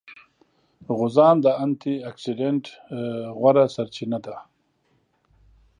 غوزان د انټي اکسیډېنټ غوره سرچینه ده.